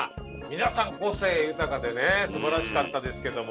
皆さん個性豊かでね素晴らしかったですけども。